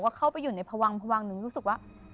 เข้าไปอยู่ในพวังพวังหนึ่งรู้สึกว่า